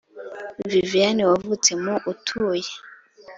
Viviane wavutse mu utuye